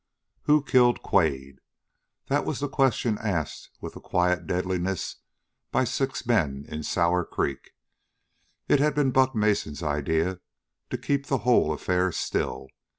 5 Who killed Quade? That was the question asked with the quiet deadliness by six men in Sour Creek. It had been Buck Mason's idea to keep the whole affair still.